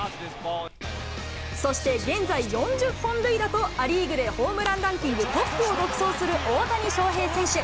そして現在４０本塁打とア・リーグでホームランランキングトップを独走する大谷翔平選手。